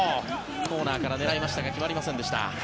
コーナーから狙いましたが決まりませんでした。